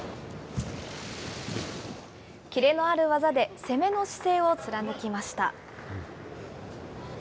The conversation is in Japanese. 切れのある技で、攻めの姿勢を貫きました。